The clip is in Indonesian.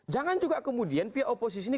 jangan juga kemudian pihak oposisi ini